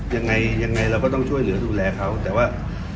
ยังไงเราก็ต้องช่วยเหลือดูแลเขา